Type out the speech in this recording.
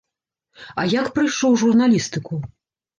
А як прыйшоў у журналістыку?